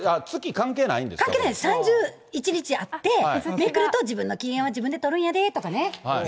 関係ないです、３１日あって、めくると自分の機嫌は自分で取るんやでとかね。